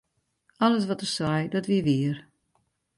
Alles wat er sei, dat wie wier.